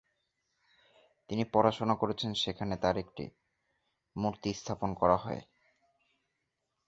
তিনি পড়াশোনা করেছেন সেখানে তার একটি মূর্তি স্থাপন করা হয়।